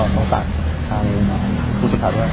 ต้องตามขอให้รู้สึกด้วย